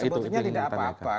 sebetulnya tidak apa apa